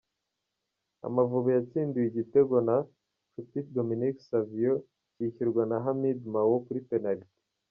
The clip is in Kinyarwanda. Amavubi yatsindiwe igitego na Nshuti Dominique Savio cyishyurwa na Himid Mao kuri penaliti.